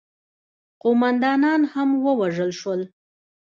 قوماندانان هم ووژل شول.